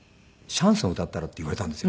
シャンソン歌ったら？」って言われたんですよ。